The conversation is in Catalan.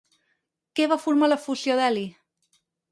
Què va formar la fusió d'heli?